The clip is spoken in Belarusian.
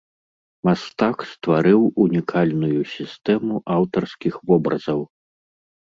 Мастак стварыў унікальную сістэму аўтарскіх вобразаў.